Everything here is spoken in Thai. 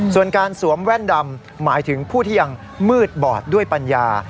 ส่วนการสวมแว่นดำหมายถึงผู้ที่ยังมืดบอดด้วยปัญญา